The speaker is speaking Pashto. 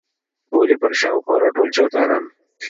ولې پر شا او خوا راټول چوتاران.